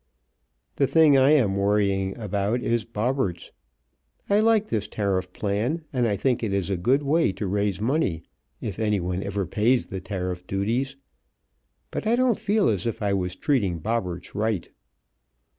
The thing I am worrying about is Bobberts. I like this tariff plan, and I think it is a good way to raise money if anyone ever pays the tariff duties but I don't feel as if I was treating Bobberts right.